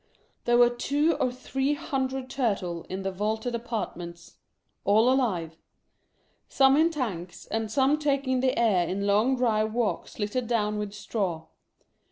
There were two or three hundred Turtle in the vaulted apartments — all alive. Some in tanks, and some taking the air in long dry walks littered down with straw.